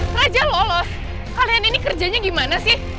praja lolos kalian ini kerjanya gimana sih